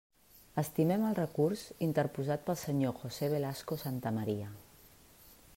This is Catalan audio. Estimem el recurs interposat pel senyor José Velasco Santamaría.